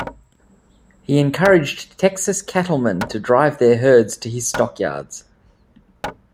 He encouraged Texas cattlemen to drive their herds to his stockyards.